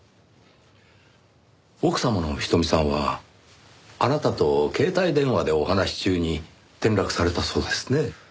奥様の仁美さんはあなたと携帯電話でお話し中に転落されたそうですね。